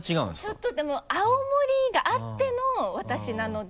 ちょっとでも青森があっての私なので。